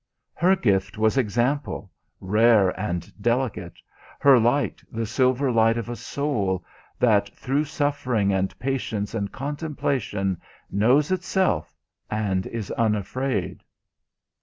Her gift was example rare and delicate; her light the silver light of a soul, that through 'suffering and patience and contemplation, knows itself and is unafraid.